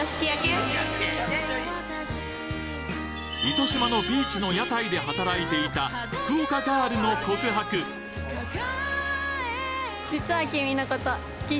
糸島のビーチの屋台で働いていた福岡ガールの告白実は。